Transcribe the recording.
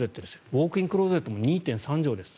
ウォークインクローゼットも２．３畳です。